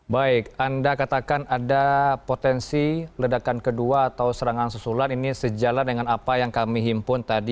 baik anda katakan ada potensi ledakan kedua atau serangan susulan ini sejalan dengan apa yang kami himpun tadi